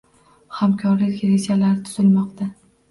Hamkorlik rejalari tuzilmoqda